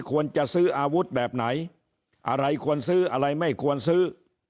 ควรจะซื้ออาวุธแบบไหนอะไรควรซื้ออะไรไม่ควรซื้อ